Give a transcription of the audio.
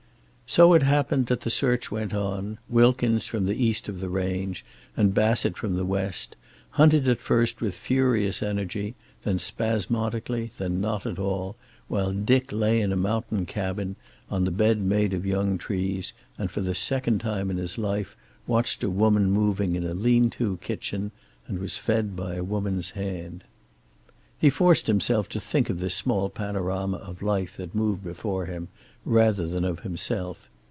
So it happened that the search went on. Wilkins from the east of the range, and Bassett from the west, hunted at first with furious energy, then spasmodically, then not at all, while Dick lay in a mountain cabin, on the bed made of young trees, and for the second time in his life watched a woman moving in a lean to kitchen, and was fed by a woman's hand. He forced himself to think of this small panorama of life that moved before him, rather than of himself.